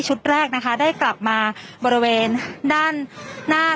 แรกนะคะได้กลับมาบริเวณด้านหน้า